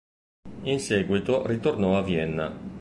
In seguito ritornò a Vienna.